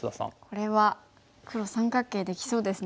これは黒三角形できそうですねオサえると。